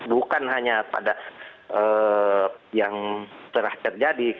bukan hanya pada yang telah terjadi